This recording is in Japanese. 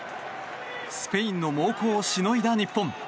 スペインの猛攻をしのいだ日本。